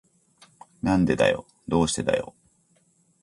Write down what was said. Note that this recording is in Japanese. なんでだよ。どうしてだよ。